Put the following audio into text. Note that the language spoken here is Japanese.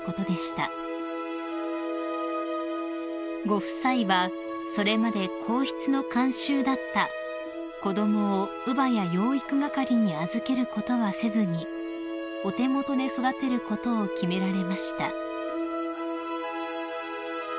［ご夫妻はそれまで皇室の慣習だった子供を乳母や養育係に預けることはせずにお手元で育てることを決められました］